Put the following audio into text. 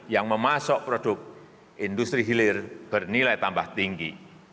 yang memasuk produk industri hilir bernilai tambah tinggi